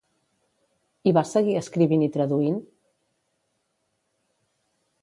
I va seguir escrivint i traduint?